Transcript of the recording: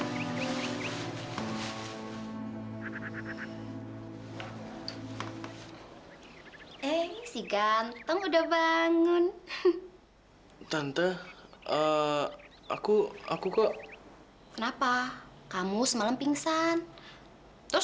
hai hai hai eh si ganteng udah bangun tante aku aku kok kenapa kamu semalam pingsan terus